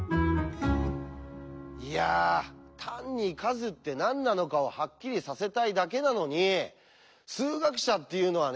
いや単に「数」って何なのかをハッキリさせたいだけなのに数学者っていうのはね